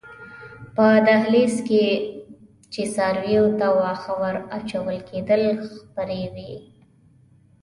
په دهلېز کې چې څارویو ته واښه ور اچول کېدل خپرې وې.